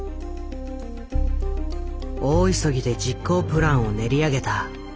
大急ぎで実行プランを練り上げた。